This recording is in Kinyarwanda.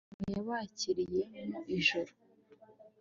Salomo yabakiriye mu Ijuru